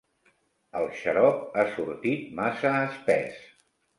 El xarop ha sortit massa espès.